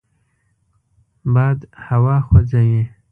باد هوا خوځوي